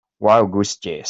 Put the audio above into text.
Wild-goose chase